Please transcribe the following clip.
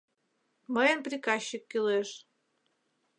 Мыйын приказчик кӱлеш...